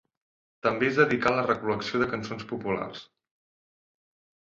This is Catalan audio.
També es dedicà a la recol·lecció de cançons populars.